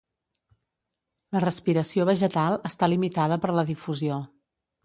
La respiració vegetal està limitada per la difusió.